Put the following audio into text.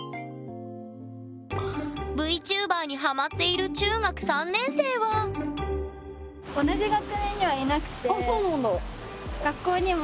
ＶＴｕｂｅｒにハマっている中学３年生はあっそうなんだ。